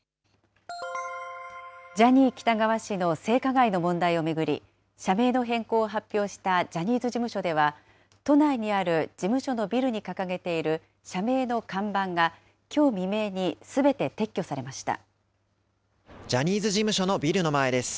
ジャニー喜多川氏の性加害の問題を巡り、社名の変更を発表したジャニーズ事務所では、都内にある事務所のビルに掲げている社名の看板がきょう未明にすジャニーズ事務所のビルの前です。